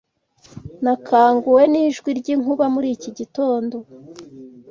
Nakanguwe nijwi ryinkuba muri iki gitondo.